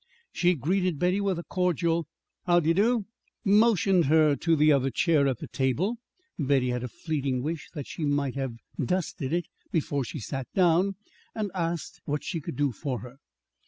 She greeted Betty with a cordial "how de doo," motioned her to the other chair at the table (Betty had a fleeting wish that she might have dusted it before she sat down), and asked what she could do for her.